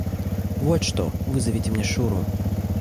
Вот что, вызовите мне Шуру.